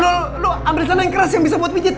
udah udah lu ambil sana yang keras yang bisa buat pijet